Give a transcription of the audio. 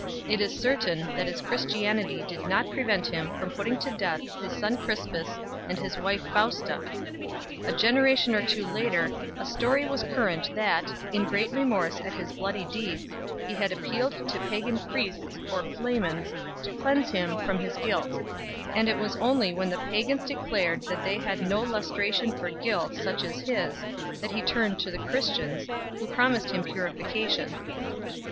It is certain that his Christianity did not prevent him from putting to death his son Cris pus and his wife Fausta. A generation or two later a story was current 6 that, in great remorse at his bloody deeds, he had appealed to pagan priests or flamens to cleanse him from his guilt, and that it was only when the pagans declared that they had no lustration for guilt such as his that he turned to the Christians, who promised him purification.